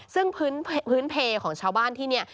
ซึ่งพื้นเพลของชาวบ้านที่นี่